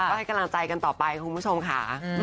ก็ให้กำลังใจกันต่อไปคุณผู้ชมค่ะ